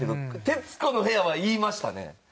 『徹子の部屋』は言いましたね。